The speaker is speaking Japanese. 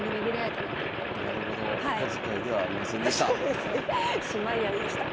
お小遣いではありませんでした。